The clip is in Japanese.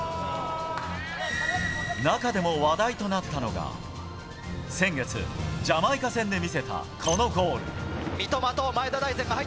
中でも話題となったのが先月、ジャマイカ戦で見せたこのゴール。